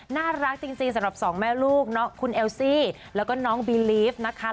น่ารักจริงสำหรับสองแม่ลูกน้องคุณเอลซี่แล้วก็น้องบีลีฟนะคะ